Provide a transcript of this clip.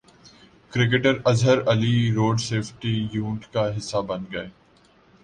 cricketer Azhar Ali road safety unit کا حصہ بن گئے